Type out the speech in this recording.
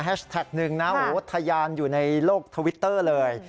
แฮชแท็กหนึ่งนะทะยานอยู่ในโลกทวิตเตอร์เลย